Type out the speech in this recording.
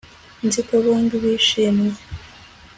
Nzi ko bombi bishimye